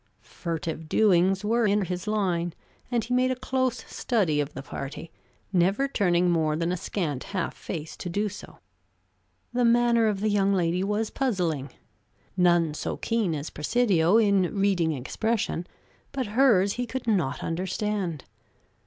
Furtive doings were in his line, and he made a close study of the party, never turning more than a scant half face to do so. The manner of the young lady was puzzling. None so keen as Presidio in reading expression, but hers he could not understand.